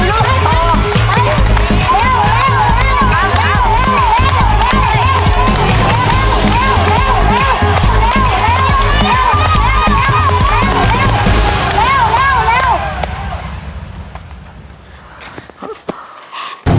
เร็วเร็วเร็วเร็ว